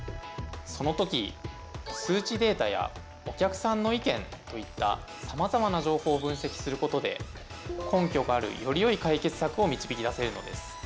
そのとき数値データやお客さんの意見といったさまざまな情報を分析することで根拠があるよりよい解決策を導き出せるのです。